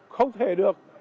không thể được